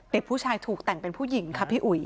เด็กผู้ชายถูกแต่งเป็นผู้หญิงค่ะพี่อุ๋ย